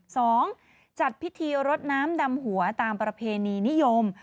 สองจัดพิธีรดน้ำดำหัวตามประเพณีนิยม